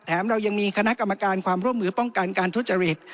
เรายังมีคณะกรรมการความร่วมมือป้องกันการทุจริต